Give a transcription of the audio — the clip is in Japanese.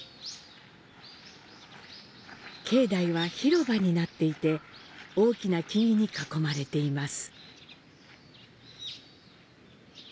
境内は広場になっていて、大きな木々に囲まれています。